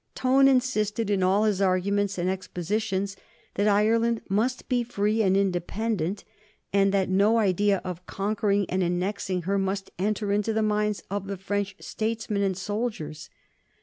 Tone insisted in all his arguments and expositions that Ireland must be free and independent, and that no idea of conquering and annexing her must enter into the minds of the French statesmen and soldiers.